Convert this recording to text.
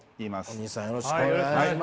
大西さんよろしくお願いします。